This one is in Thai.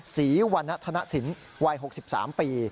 ศรีวรรณธนสินวัย๖๓ปี